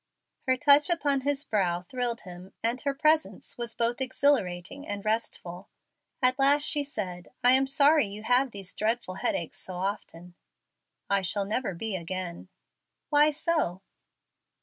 Her touch upon his brow thrilled him, and her presence was both exhilarating and restful. At last she said, "I am sorry you have these dreadful headaches so often." "I shall never be again." "Why so?"